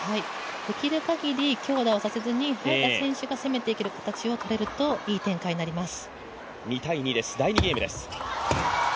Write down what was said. できるかぎり強打させずに早田選手が攻めていく形がいい展開になります。